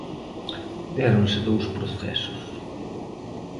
Déronse dous procesos.